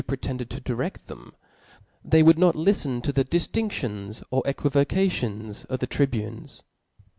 n* pretended to* direft them ; they would not liften to the diftinftions or equivocations of the tri bunes..